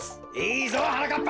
いいぞはなかっぱ！